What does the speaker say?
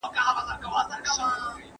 که د سړکونو یخ اوبه سي، نو موټرې نه چپه کیږي.